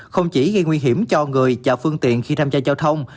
không chỉ gây nguy hiểm cho người và phương tiện khi tham gia giao thông